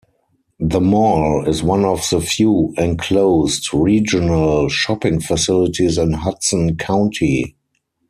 The mall is one of the few enclosed, regional shopping facilities in Hudson County.